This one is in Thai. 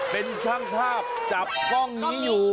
เป็นช่างภาพจับกล้องนี้อยู่